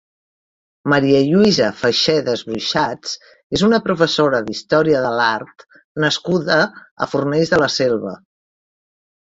Maria Lluïsa Faxedas Brujats és una professora d'història de l'art nascuda a Fornells de la Selva.